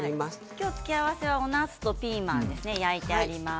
今日付け合わせは、おなすとピーマンです焼いてあります。